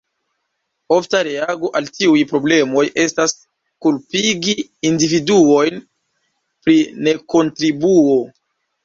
Ofta reago al tiuj problemoj estas, kulpigi individuojn pri nekontribuo.